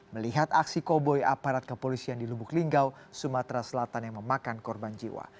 melihat aksi koboi aparat kepolisian di lubuk linggau sumatera selatan yang memakan korban jiwa